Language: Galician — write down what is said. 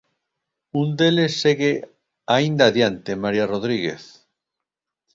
Un deles segue aínda adiante, María Rodríguez.